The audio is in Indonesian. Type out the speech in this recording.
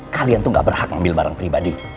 kalian tuh gak berhak ngambil barang pribadi